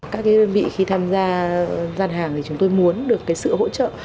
các đơn vị khi tham gia gian hàng thì chúng tôi muốn được sự hỗ trợ